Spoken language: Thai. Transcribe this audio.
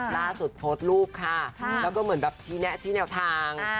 โพสต์รูปค่ะแล้วก็เหมือนแบบชี้แนะชี้แนวทาง